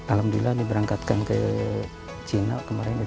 alhamdulillah ini berangkatkan ke cina kemarin